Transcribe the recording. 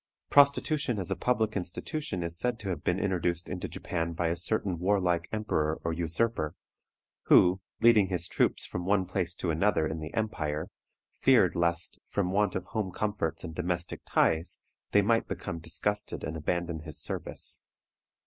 Prostitution as a public institution is said to have been introduced into Japan by a certain warlike emperor or usurper, who, leading his troops from one place to another in the empire, feared lest, from want of home comforts and domestic ties, they might become disgusted and abandon his service.